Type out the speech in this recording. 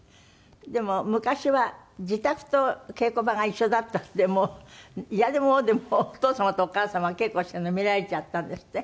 でも昔は自宅と稽古場が一緒だったんでもういやでも応でもお父様とお母様が稽古してるの見られちゃったんですって？